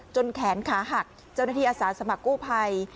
แขนขาหักเจ้าหน้าที่อาสาสมัครกู้ภัย